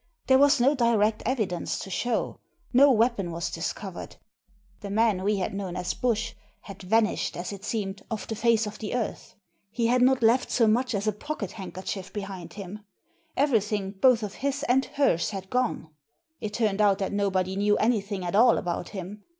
There was no direct evidence to show. No weapon was discovered The man we had known as Bush had vanished, as it seemed, off the face of the earth. He had not left so much as a pocket handkerchief brfiind him. Everything both of his and hers had gone. It turned out that nobody knew anything at all about him.